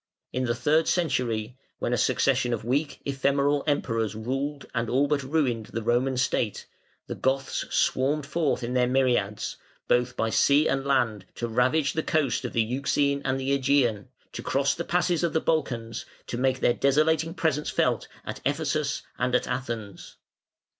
In the third century, when a succession of weak ephemeral emperors ruled and all but ruined the Roman State, the Goths swarmed forth in their myriads, both by sea and land, to ravage the coast of the Euxine and the Ægean, to cross the passes of the Balkans, to make their desolating presence felt at Ephesus and at Athens.